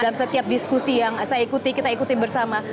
dalam setiap diskusi yang saya ikuti kita ikuti bersama